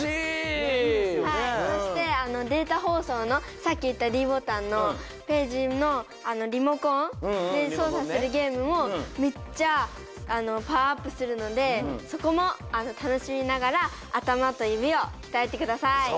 そしてデータほうそうのさっきいったＤボタンのページのリモコンでそうさするゲームもめっちゃパワーアップするのでそこもたのしみながらあたまとゆびをきたえてください。